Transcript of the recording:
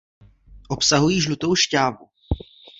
Obsahují žlutou šťávu.